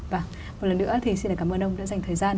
và một lần nữa thì xin cảm ơn ông đã dành thời gian